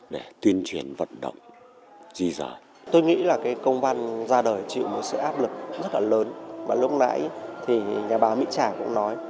để tuyên truyền vận động di dời